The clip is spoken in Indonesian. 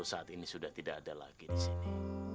saat ini sudah tidak ada lagi disini